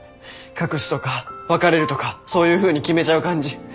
隠すとか別れるとかそういうふうに決めちゃう感じ。